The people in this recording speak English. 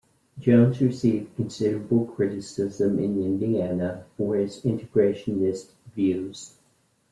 Jones received considerable criticism in Indiana for his integrationist views.